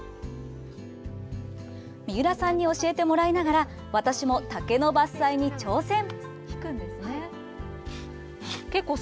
三浦さんに教えてもらいながら私も竹の伐採に挑戦。